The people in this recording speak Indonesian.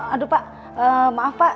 aduh pak maaf pak